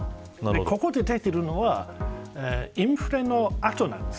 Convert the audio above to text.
ここに出ているのはインフレの後です。